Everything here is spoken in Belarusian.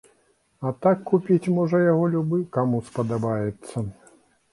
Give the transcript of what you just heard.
А так купіць можа яго любы, каму спадабаецца.